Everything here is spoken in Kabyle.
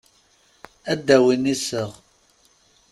Ad d-awin iseɣ.